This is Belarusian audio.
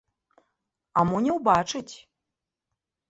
А мо не ўбачыць!